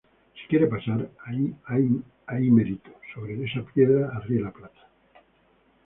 si quiere pasar, ahí merito, sobre esa piedra, arríe la plata.